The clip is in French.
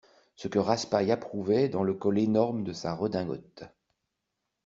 Ce que Raspail approuvait dans le col énorme de sa redingote.